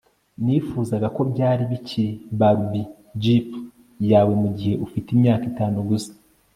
Nifuzaga ko byari bikiri Barbie Jeep yawe mugihe ufite imyaka itanu gusa